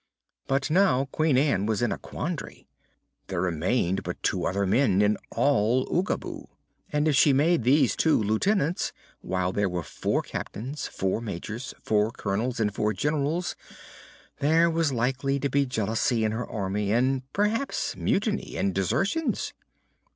But now Queen Ann was in a quandary. There remained but two other men in all Oogaboo, and if she made these two Lieutenants, while there were four Captains, four Majors, four Colonels and four Generals, there was likely to be jealousy in her army, and perhaps mutiny and desertions.